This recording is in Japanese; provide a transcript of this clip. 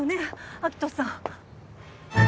明人さん。